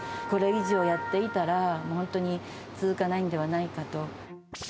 これ以上やっていたら、もう本当に続かないんではないかと。